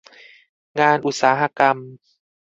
งานอุตสาหกรรม